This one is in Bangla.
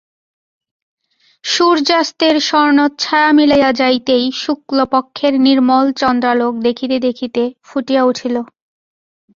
সূর্যাস্তের স্বর্ণচ্ছায়া মিলাইয়া যাইতেই শুক্লপক্ষের নির্মল চন্দ্রালোক দেখিতে দেখিতে ফুটিয়া উঠিল।